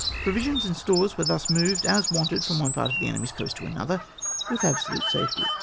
Provisions and stores were thus moved as wanted from one part of the enemy's coast to another, with absolute safety.